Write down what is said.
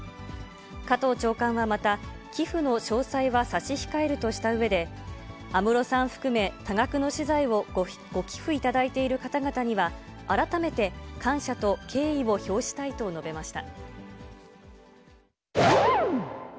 加藤長官はまた、寄付の詳細は差し控えるとしたうえで、安室さん含め、多額の私財をご寄付いただいている方々には、改めて感謝と敬意を表したいと述べました。